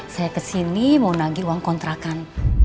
saya kesini mau nagi uang kontrakan